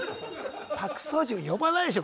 パク・ソジュン呼ばないでしょ